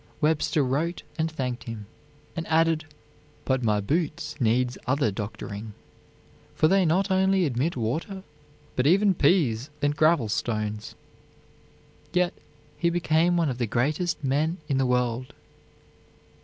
Webster wrote and thanked him, and added: "But my boots needs other doctoring, for they not only admit water, but even peas and gravel stones." Yet he became one of the greatest men in the world.